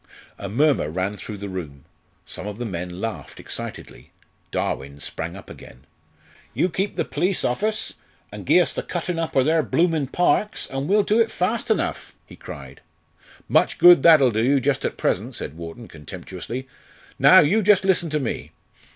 A murmur ran through the room. Some of the men laughed excitedly. Darwin sprang up again. "You keep the perlice off us, an' gie us the cuttin' up o' their bloomin' parks an' we'll do it fast enough," he cried. "Much good that'll do you, just at present," said Wharton, contemptuously. "Now, you just listen to me."